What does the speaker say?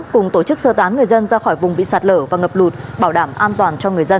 cùng tổ chức sơ tán người dân ra khỏi vùng bị sạt lở và ngập lụt bảo đảm an toàn cho người dân